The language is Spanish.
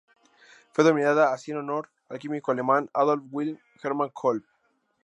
Fue denominada así en honor al químico alemán Adolph Wilhelm Hermann Kolbe.